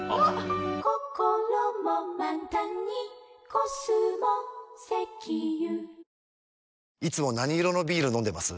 ホーユーいつも何色のビール飲んでます？